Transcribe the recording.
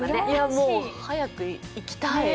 もう早く行きたい。